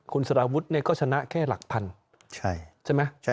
คุณสาราวุฒิเนี่ยก็ชนะแค่หลักพันธุ์ใช่ใช่ไหมใช่